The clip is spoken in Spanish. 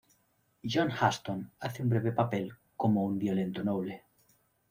John Huston hace un breve papel como un violento noble.